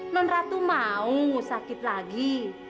non ratu mau sakit lagi